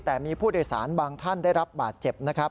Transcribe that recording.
แต่มีผู้โดยสารบางท่านได้รับบาดเจ็บนะครับ